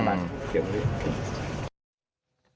เก็บมาด้วย